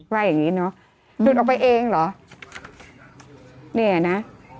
ว่าอย่างงี้เนอะหลุดออกไปเองเหรอเนี่ยนะ